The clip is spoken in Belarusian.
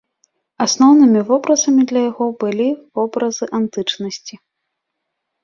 Асноўнымі вобразамі для яго былі вобразы антычнасці.